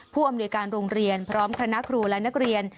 ผู้อำนวยการโรงเรียนพร้อมคณะครูและนักเรียน